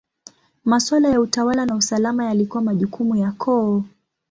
Maswala ya utawala na usalama yalikuwa majukumu ya koo.